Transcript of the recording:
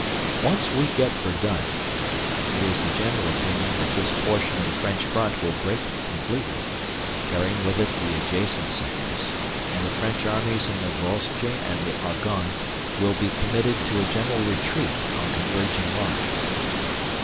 Once we get Verdun, it is the general opinion that this portion of the French front will break completely, carrying with it the adjacent sectors, and the French Armies in the Vosges and Argonne will be committed to a general retreat on converging lines.